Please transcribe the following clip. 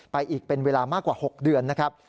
อีกเป็นเวลามากกว่า๖เดือนนะครับ